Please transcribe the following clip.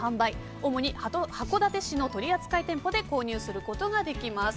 主に函館市の取扱店舗で購入することができます。